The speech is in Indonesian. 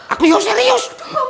aku yuk serius